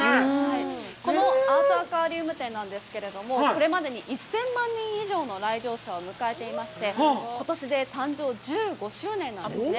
このアートアクアリウム展なんですけれども、これまでに１０００万人以上の来場者を迎えていまして、ことしで誕生１５周年なんですね。